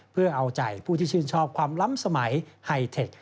เพื่อเอาใจผู้ที่ชื่นชอบความล้ำสมัยไฮเทค